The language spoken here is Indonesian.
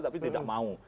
tapi tidak mau